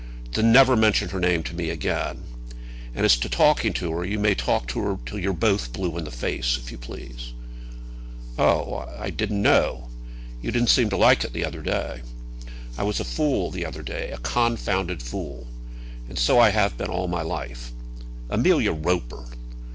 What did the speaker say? "Then never mention her name to me again. And as to talking to her, you may talk to her till you're both blue in the face, if you please." "Oh; I didn't know. You didn't seem to like it the other day." "I was a fool the other day, a confounded fool. And so I have been all my life. Amelia Roper!